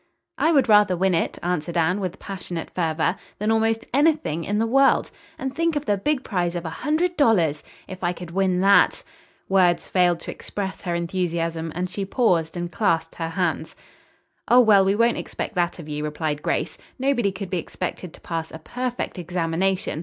"I would rather win it," answered Anne, with passionate fervor, "than almost anything in the world. And think of the big prize of $100! If I could win that " Words failed to express her enthusiasm and she paused and clasped her hands. "Oh, well, we won't expect that of you," replied Grace, "Nobody could be expected to pass a perfect examination.